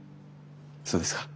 そうですか。